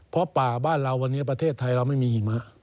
เพราะป่าบ้านเราวันนี้ประเทศไทยเราไม่มีหิมะ